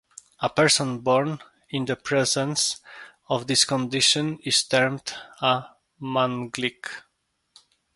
A person born in the presence of this condition is termed a manglik.